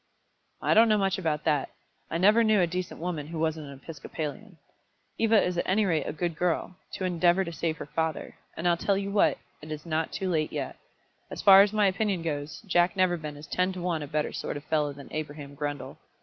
"I don't know much about that. I never knew a decent woman who wasn't an Episcopalian. Eva is at any rate a good girl, to endeavour to save her father; and I'll tell you what it is not too late yet. As far as my opinion goes, Jack Neverbend is ten to one a better sort of fellow than Abraham Grundle.